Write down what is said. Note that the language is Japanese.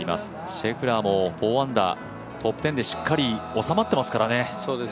シェフラーも４アンダー、トップ１０でしっかりおさまっていますからね。